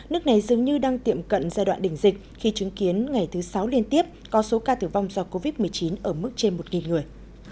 nước này dường như đang tiệm cận giai đoạn đỉnh dịch khi chứng kiến ngày thứ sáu liên tiếp có số ca tử vong do covid một mươi chín ở mức trên một người